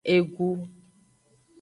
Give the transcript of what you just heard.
Egu.